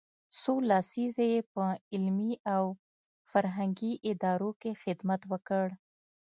څو لسیزې یې په علمي او فرهنګي ادارو کې خدمت وکړ.